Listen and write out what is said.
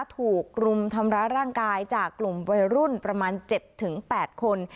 ถูกรุมทำร้ายร่างกายจากกลุ่มวัยรุ่นประมาณ๗๘คน